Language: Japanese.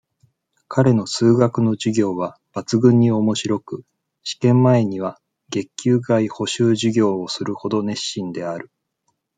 彼の数学の授業は、抜群に面白く、試験前には、月給外補習授業をするほど、熱心である。